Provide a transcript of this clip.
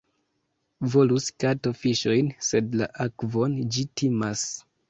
Volus kato fiŝojn, sed la akvon ĝi timas.